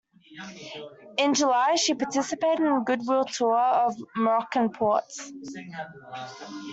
In July, she participated in a good-will tour of Moroccan ports.